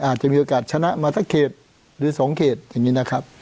อาจจะมีโอกาสชนะมาสักเขตหรือ๒เขตอย่างนี้นะครับ